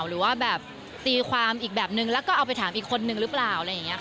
หรือว่าแบบตีความอีกแบบหนึ่งแล้วก็เอาไปถามอีกคนหนึ่งรึเปล่า